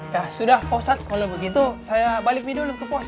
ya sudah posat kalau begitu saya balik mie dulu ke pos